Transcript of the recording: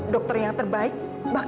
dan rupanya aku akan speak up